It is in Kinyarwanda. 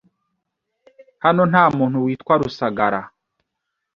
Hano nta muntu witwa Rusagara?